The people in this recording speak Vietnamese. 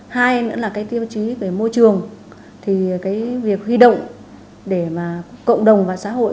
hai nữa là cái tiêu chí về môi trường thì cái việc huy động để mà cộng đồng và xã hội